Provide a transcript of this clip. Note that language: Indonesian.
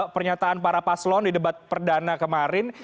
pernyataan para paslon di debat perdana kemarin